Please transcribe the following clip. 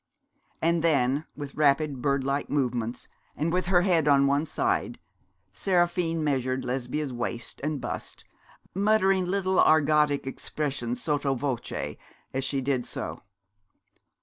And then with rapid bird like movements, and with her head on one side, Seraphine measured Lesbia's waist and bust, muttering little argotic expressions sotto voce as she did so.